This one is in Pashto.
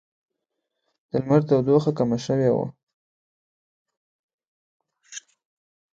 د لمر تودوخه کمه شوې وي